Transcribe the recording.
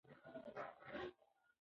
ځینې ټولنې په ځانګړو ډلو پورې ټوکې تړي.